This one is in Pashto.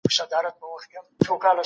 په جنازو کې د سندرو اورېدل رواج لري.